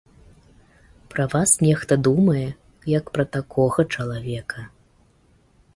Пра вас нехта думае як пра такога чалавека.